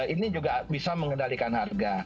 ini juga bisa mengendalikan harga